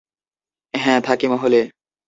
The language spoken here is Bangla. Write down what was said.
হ্যাঁ, থাকি মহলে!